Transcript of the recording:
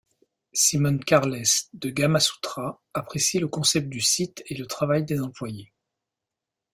Simon Carless de Gamasutra apprécie le concept du site et le travail des employés.